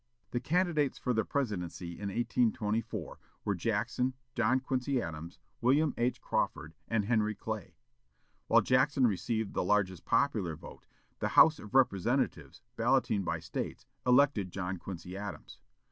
The candidates for the Presidency in 1824 were Jackson, John Quincy Adams, William H. Crawford, and Henry Clay. While Jackson received the largest popular vote, the House of Representatives, balloting by States, elected John Quincy Adams.